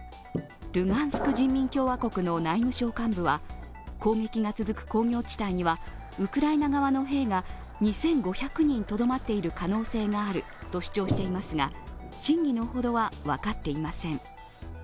ルガンスク人民共和国の内務省幹部は、攻撃が続く工業地帯にはウクライナ側の兵が、２５００人とどまっている可能性があると主張していますが真偽のほどは分かっていません。